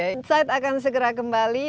insight akan segera kembali